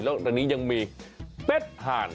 แล้วในนี้ยังมีเป็ดห่าน